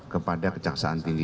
kepada kejaksaan tinggi